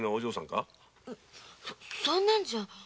そんなんじゃ。